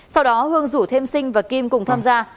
sau đó hương rủ thêm sinh và kim cùng tham gia